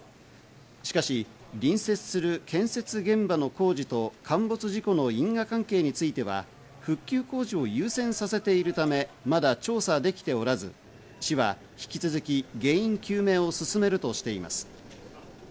しかし、隣接する建設現場の工事と陥没事故の因果関係については、復旧工事を優先させているため、まだ調査できておらず、市は引き続き原因究明を進めるとしています。